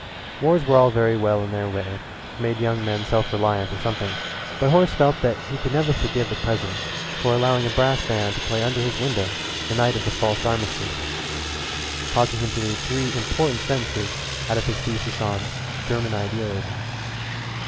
Wars were all very well in their way, made young men self reliant or something but Horace felt that he could never forgive the President for allowing a brass band to play under his window the night of the false armistice, causing him to leave three important sentences out of his thesis on "German Idealism."